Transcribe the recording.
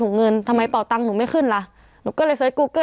เงินทำไมเป่าตังค์หนูไม่ขึ้นล่ะหนูก็เลยเสิร์ชกูเกอร์